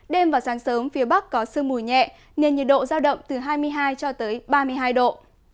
đêm vào sáng sớm phía bắc có sương mùi nhẹ nên nhiệt độ giao động từ hai mươi hai ba mươi hai độ